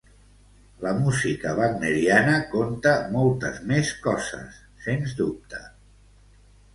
La música wagneriana conta moltes més coses, sens dubte.